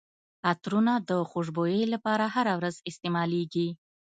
عطرونه د خوشبويي لپاره هره ورځ استعمالیږي.